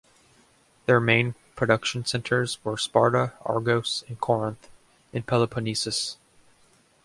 Their main production centres were Sparta, Argos and Corinth, in Peloponnesus.